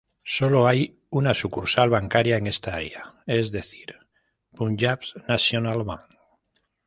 Sólo hay una sucursal bancaria en esta área, es decir, Punjab National Bank.